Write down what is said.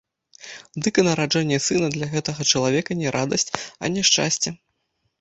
Дык і нараджэнне сына для гэтага чалавека не радасць, а няшчасце.